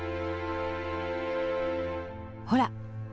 ほら！